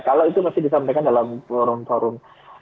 kalau itu masih disampaikan dalam forum forum